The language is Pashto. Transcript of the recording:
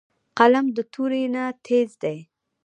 قلم د تورې نه تېز دی